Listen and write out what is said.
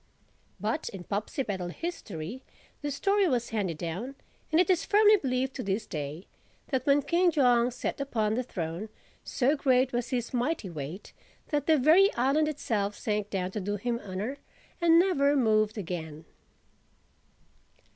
But in Popsipetel history the story was handed down (and it is firmly believed to this day) that when King Jong sat upon the throne, so great was his mighty weight, that the very island itself sank down to do him honor and never moved again.